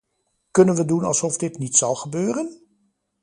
Kunnen we doen alsof dit niet zal gebeuren?